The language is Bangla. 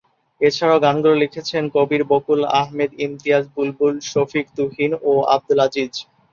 এছাড়াও গানগুলো লিখেছেন কবির বকুল, আহমেদ ইমতিয়াজ বুলবুল, শফিক তুহিন ও আব্দুল আজিজ।